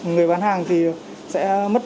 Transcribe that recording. người bán hàng thì sẽ mất